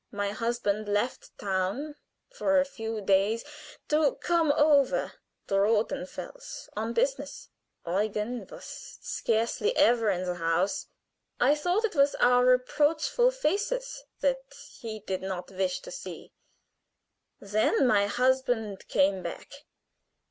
"My husband left town for a few days to come over to Rothenfels on business. Eugen was scarcely ever in the house. I thought it was our reproachful faces that he did not wish to see. Then my husband came back.